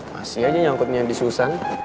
masih aja nyangkutnya di susan